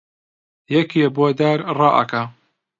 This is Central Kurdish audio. یەکێ بۆ دار ڕائەکا